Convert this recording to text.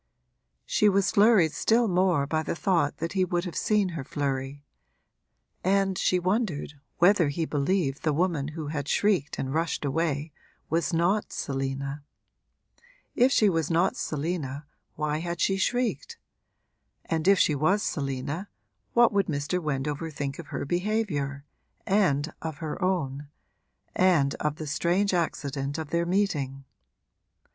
She was flurried still more by the thought that he would have seen her flurry, and she wondered whether he believed the woman who had shrieked and rushed away was not Selina. If she was not Selina why had she shrieked? and if she was Selina what would Mr. Wendover think of her behaviour, and of her own, and of the strange accident of their meeting?